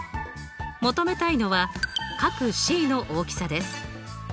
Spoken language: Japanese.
求めたいのは角Ｃの大きさです。